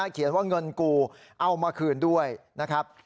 เขียนว่าเงินกูเอามาคืนด้วยนะครับ